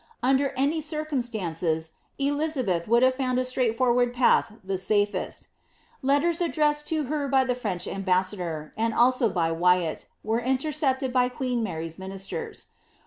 Under any circum* Btinces, Elizabeth would have found a straight forward patli the safest Letters addressed to her by the French ambassador, and also by Wyat, were intercepted by queen Mary^s ministers.